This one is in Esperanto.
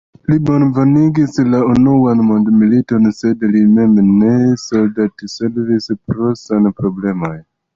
Li bonvenigis la unuan mondmiliton, sed li mem ne soldatservis pro sanproblemoj.